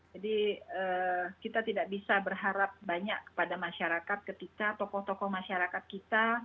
jadi kita tidak bisa berharap banyak kepada masyarakat ketika tokoh tokoh masyarakat kita